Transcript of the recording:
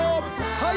はい！